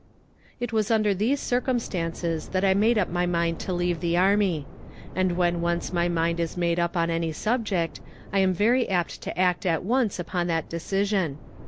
It was under these circumstances that I made up my mind to leave the army; and when once my mind is made up on any subject I am very apt to act at once upon that decision.